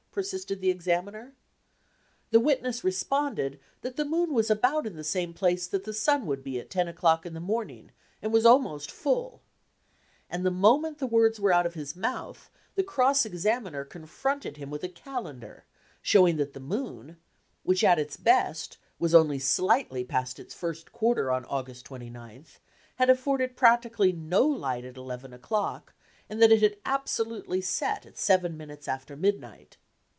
persisted the examiner. The witness responded "that the moon was about in the same place that the sun would be at ten o'clock in the morning and was almost full, 1 and the moment the words were out of his mouth the cross examiner confronted him with a calendar showing that the moon, which at its best was only slightly past its first quarter on August 29, had afforded practically no light at eleven o'clock and that it had absolutely set at seven minutes after midnight.